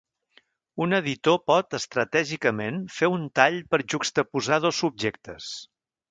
Un editor pot estratègicament fer un tall per juxtaposar dos subjectes.